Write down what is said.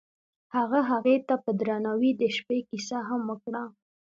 هغه هغې ته په درناوي د شپه کیسه هم وکړه.